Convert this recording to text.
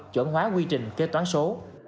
chuyển hóa quy trình kế toán số